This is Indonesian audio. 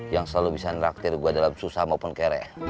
yang selalu bisa ngeraktir gue dalam susah maupun kere